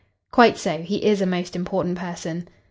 "Quite so; he is a most important person.